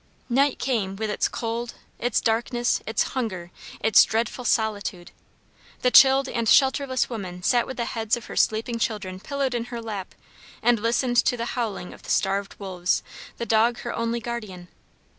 Night came with its cold, its darkness, its hunger, its dreadful solitude! The chilled and shelterless woman sat with the heads of her sleeping children pillowed in her lap, and listened to the howling of the starved wolves, the dog her only guardian.